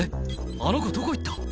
あの子どこ行った？」